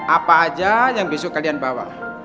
apa aja yang besok kalian bawa